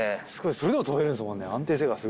それでも飛べるんですもんね。